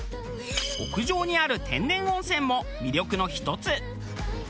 屋上にある天然温泉も魅力の一つ。